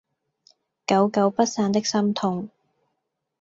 久久不散的心痛